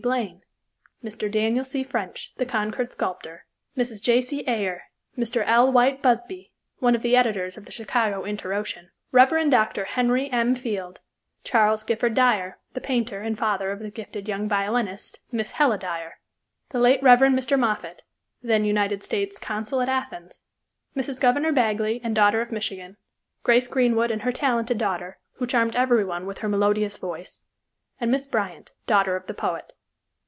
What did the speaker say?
Blaine, Mr. Daniel C. French, the Concord sculptor; Mrs. J.C. Ayer, Mr. L. White Busbey, one of the editors of the Chicago Inter Ocean; Rev. Dr. Henry M. Field, Charles Gifford Dyer, the painter and father of the gifted young violinist, Miss Hella Dyer; the late Rev. Mr. Moffett, then United States Consul at Athens, Mrs. Governor Bagley and daughter of Michigan; Grace Greenwood and her talented daughter, who charmed everyone with her melodious voice, and Miss Bryant, daughter of the poet.